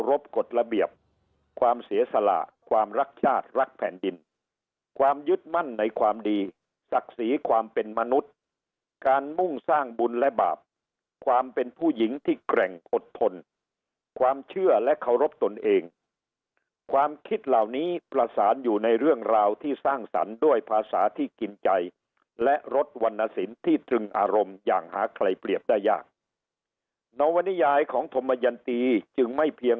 กฎระเบียบความเสียสละความรักชาติรักแผ่นดินความยึดมั่นในความดีศักดิ์ศรีความเป็นมนุษย์การมุ่งสร้างบุญและบาปความเป็นผู้หญิงที่แกร่งอดทนความเชื่อและเคารพตนเองความคิดเหล่านี้ประสานอยู่ในเรื่องราวที่สร้างสรรค์ด้วยภาษาที่กินใจและรดวรรณสินที่ตรึงอารมณ์อย่างหาใครเปรียบได้ยากนวนิยายของธมยันตีจึงไม่เพียง